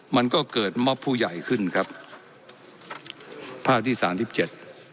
มันก็เกิดมอบผู้ใหญ่ขึ้นครับภาคที่สามสิบเจ็ด